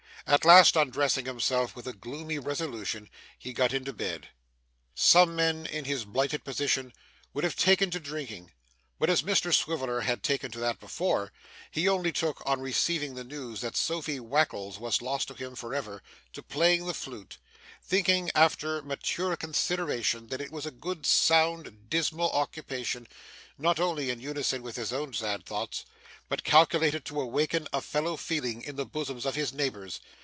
At last, undressing himself with a gloomy resolution, he got into bed. Some men in his blighted position would have taken to drinking; but as Mr Swiveller had taken to that before, he only took, on receiving the news that Sophy Wackles was lost to him for ever, to playing the flute; thinking after mature consideration that it was a good, sound, dismal occupation, not only in unison with his own sad thoughts, but calculated to awaken a fellow feeling in the bosoms of his neighbours.